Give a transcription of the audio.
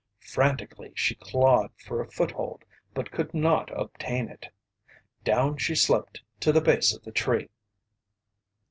Frantically, she clawed for a foothold but could not obtain it. Down she slipped to the base of the tree.